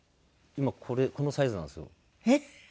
今これこのサイズなんですよ。えっ！